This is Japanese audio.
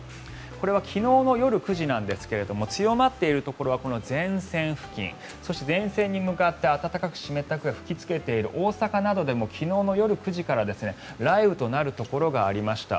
これは昨日の夜９時なんですが強まっているところはこの前線付近そして前線に向かって暖かく湿った空気が吹きつけている大阪などでも昨日の夜９時から雷雨となるところがありました。